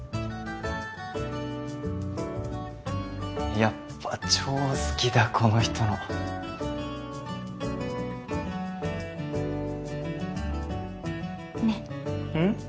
やっぱ超好きだこの人のねえうん？